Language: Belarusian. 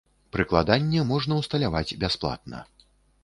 Прыкладанне можна ўсталяваць бясплатна.